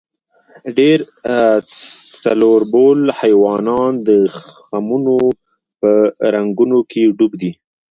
ډېر څلوربول حیوانان د خمونو په رنګونو کې ډوب دي.